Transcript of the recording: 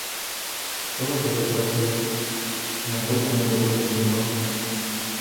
Што гэта за праект і наколькі ён доўгатэрміновы?